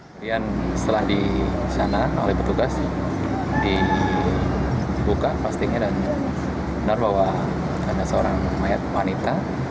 kemudian setelah di sana oleh petugas dibuka pastinya dan benar bahwa ada seorang mayat wanita